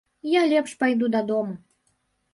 Я лепш пайду дадому.